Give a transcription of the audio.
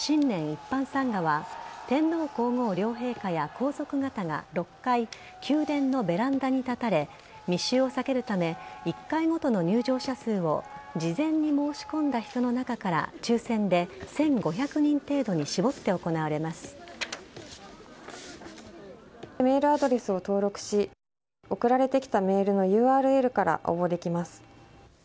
一般参賀は天皇皇后両陛下や皇族方が６回宮殿のベランダに立たれ密集を避けるため１回ごとの入場者数を事前に申し込んだ人の中から抽選で１５００人程度に絞ってメールアドレスを登録し送られてきたメールのＵＲＬから応募できます。